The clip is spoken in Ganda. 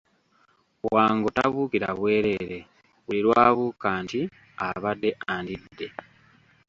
Wango tabuukira bwereere, buli lwabuuka nti abadde andidde.